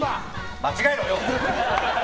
間違えろよ！